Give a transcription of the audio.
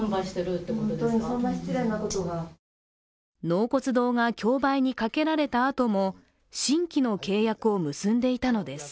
納骨堂が競売にかけられたあとも新規の契約を結んでいたのです。